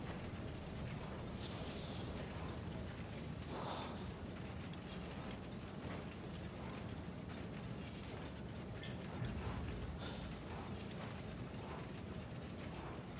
はあ。はあ。